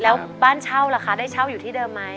แล้วบ้านเช่าล่ะคะได้เช่าอยู่ที่เดิมไหม